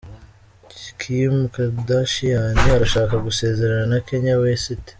Kimu kadashiyani arashaka gusezerana na Kanye Wesiti